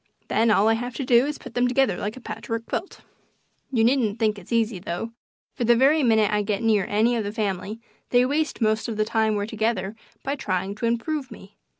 Then all I have to do is to put them together like a patch work quilt. You needn't think it's easy, though, for the very minute I get near any of the family they waste most of the time we're together by trying to improve me.